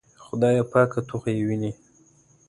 خدایه پاکه ته خو یې وینې.